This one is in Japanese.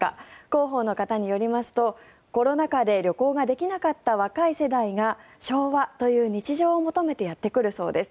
広報の方によりますとコロナ禍で旅行ができなかった若い世代が昭和という非日常を求めてやってくるそうです。